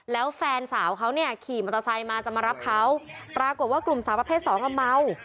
แล้วแฟนสาวเขาเนี่ยขี่มอเตอร์ไซค์มาจะมารับเขาปรากฏว่ากลุ่มสาวประเภทสองอ่ะเมา